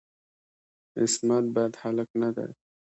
عصمت بد هلک نه دی.